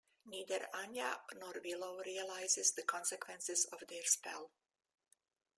Neither Anya nor Willow realizes the consequences of their spell.